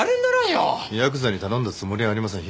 ヤクザに頼んだつもりはありません。